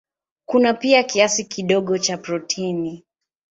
Kuna pia kiasi kidogo cha protini.